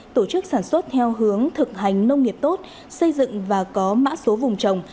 tổ chức sản xuất theo hướng thực hành nông nghiệp tốt xây dựng và có mã số vùng trồng